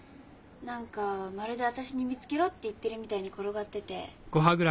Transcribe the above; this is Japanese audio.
何かまるで私に見つけろって言ってるみたいに転がってて。